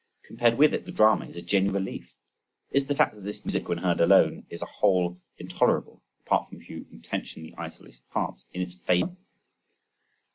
Compared with it the drama is a genuine relief.—Is the fact that this music when heard alone, is, as a whole intolerable (apart from a few intentionally isolated parts) in its favour?